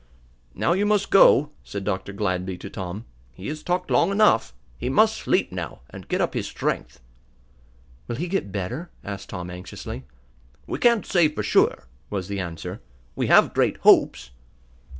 "Now you must go," said Dr. Gladby to Tom. "He has talked long enough. He must sleep now, and get up his strength." "Will he get better?" asked Tom, anxiously. "We can't say for sure," was the answer. "We have great hopes."